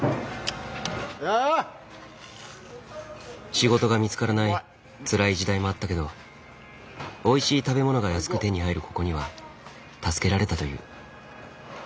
仕事が見つからないつらい時代もあったけどおいしい食べ物が安く手に入るここには助けられたという。